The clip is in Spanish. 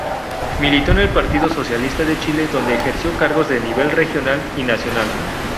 Militó en Partido Socialista de Chile donde ejerció cargos de nivel regional y nacional.